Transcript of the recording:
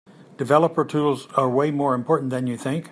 Developer Tools are way more important than you think.